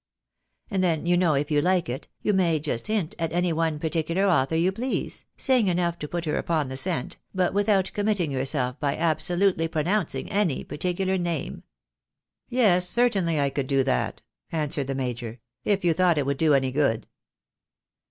And then, you know, if you like it, you may just hint at any one particular author you please, saying enough to put her upon the scent, but without committing yourself by absolutely pronouncing any particular name." " Yes, certainly, I could do that," answered the major, " if you thought it would do any good."